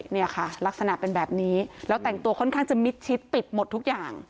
เนี่ยค่ะลักษณะเป็นแบบนี้แล้วแต่งตัวค่อนข้างจะมิดชิดปิดหมดทุกอย่าง